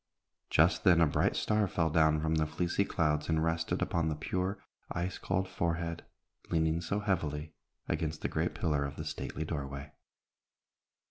Just then a bright star fell down from the fleecy clouds and rested upon the pure, ice cold forehead, leaning so heavily against the great pillar of the stately doorway.